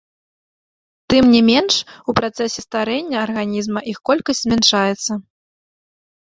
Тым не менш, у працэсе старэння арганізма іх колькасць змяншаецца.